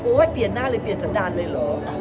เปลี่ยนหน้าเลยเปลี่ยนสันดารเลยเหรอ